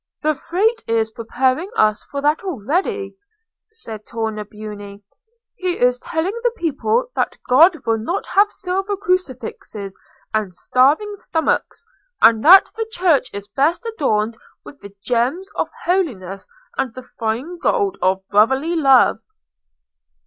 "The Frate is preparing us for that already," said Tornabuoni. "He is telling the people that God will not have silver crucifixes and starving stomachs; and that the church is best adorned with the gems of holiness and the fine gold of brotherly love."